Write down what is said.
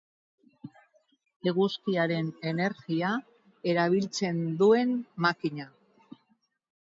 eguzkiaren energia erabiltzen duen makina